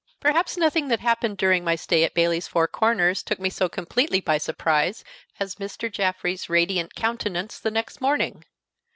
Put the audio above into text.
Perhaps nothing that happened during my stay at Bayley's Four Corners took me so completely by surprise as Mr. Jaffrey's radiant countenance the next morning.